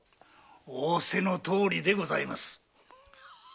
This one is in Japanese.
仰せのとおりでございます。